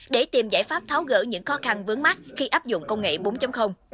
để tìm giải pháp tháo gỡ những khó khăn vướng mắt khi áp dụng công nghệ bốn